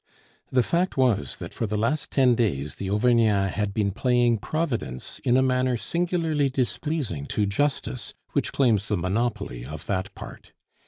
The fact was that for the last ten days the Auvergnat had been playing Providence in a manner singularly displeasing to Justice, which claims the monopoly of that part.